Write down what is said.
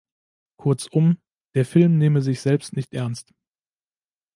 Kurzum, der Film nehme sich selbst nicht ernst.